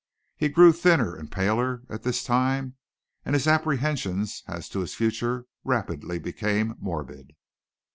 He grew thinner and paler at this time and his apprehensions as to his future rapidly became morbid.